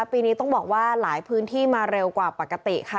ปีนี้ต้องบอกว่าหลายพื้นที่มาเร็วกว่าปกติค่ะ